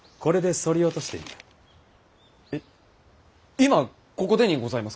今ここでにございますか？